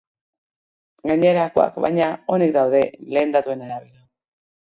Gainerakoak, baina, onik daude, lehen datuen arabera.